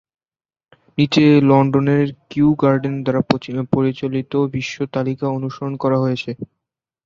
নীচে লন্ডনের Kew garden দ্বারা পরিচালিত বিশ্ব তালিকা অনুসরণ করা হয়েছে।